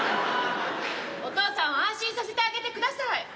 お父さんを安心させてあげてください。